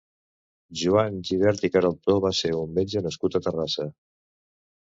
Joan Gibert i Queraltó va ser un metge nascut a Terrassa.